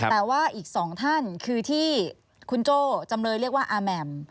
แต่ว่าอีกสองท่านคือที่คุณโจ้จำเลยเรียกว่าอาแหม่ม